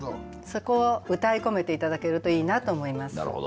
そこをうたい込めて頂けるといいなと思います。